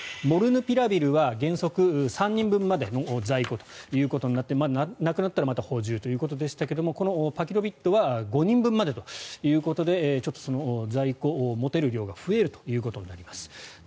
モルヌピラビルは原則３人分までの在庫となってなくなったらまた補充ということでしたがこのパキロビッドは５人分までということでちょっと在庫、持てる量が増えるということになります。